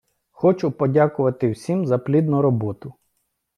Хочу подякувати всім за плідну роботу!